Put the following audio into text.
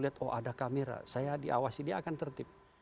lihat oh ada kamera saya diawasi dia akan tertib